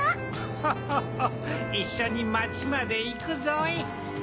ホッホッホいっしょにまちまでいくぞい。